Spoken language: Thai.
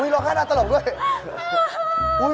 ร้องไห้น่าตลกด้วย